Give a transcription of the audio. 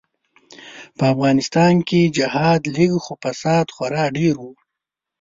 به افغانستان کی جهاد لږ خو فساد خورا ډیر وو.